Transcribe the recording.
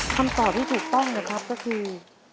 คำตอบที่ถูกต้องนะครับก็คือ